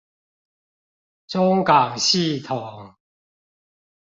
中港系統